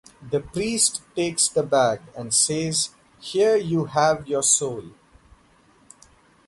The priest takes the bag and says "here you have your soul".